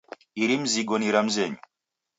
Iri mizango ni ra mzenyu